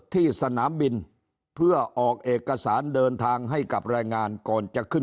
ที่สนามบินเพื่อออกเอกสารเดินทางให้กับแรงงานก่อนจะขึ้น